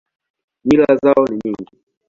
Mila zao ni nyingi.